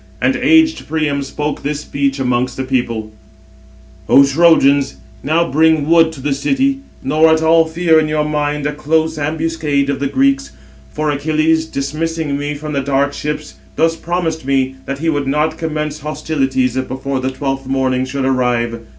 And aged Priam spoke [this] speech amongst the people: "O Trojans, now bring wood to the city, nor at all fear in your mind a close ambuscade of the Greeks; for Achilles, dismissing me from the dark ships, thus promised me, that he would not commence hostilities, before the twelfth morning should arrive."